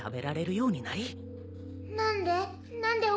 何で？